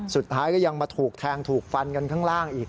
สุดท้ายก็ยังมาถูกแทงถูกฟันกันข้างล่างอีก